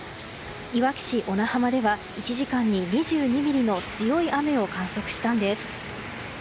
いわき市では１時間に２２ミリの強い雨を観測したんです。